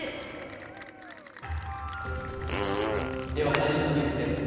最新のニュースです。